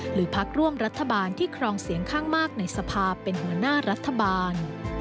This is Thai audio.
พักร่วมรัฐบาลที่ครองเสียงข้างมากในสภาเป็นหัวหน้ารัฐบาล